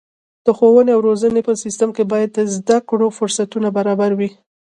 د ښوونې او روزنې په سیستم کې باید د زده کړو فرصتونه برابره وي.